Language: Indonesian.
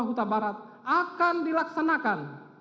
huta barat akan dilaksanakan